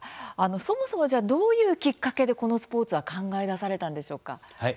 そもそもどういうきっかけでこのスポーツは考え出されたんでしょうか。